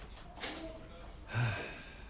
はあ。